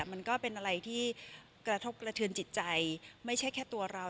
มันก็เป็นอะไรที่กระทบกระเทือนจิตใจไม่ใช่แค่ตัวเรา